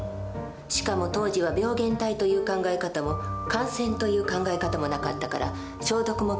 しかも当時は病原体という考え方も感染という考え方もなかったから消毒もきちんとしなかったの。